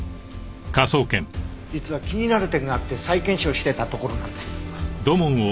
実は気になる点があって再検証してたところなんです。